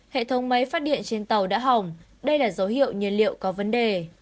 hệ thống máy phát điện trên tàu đã hỏng đây là dấu hiệu nhiên liệu có vấn đề